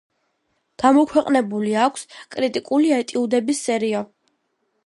გამოქვეყნებული აქვს კრიტიკული ეტიუდების სერია.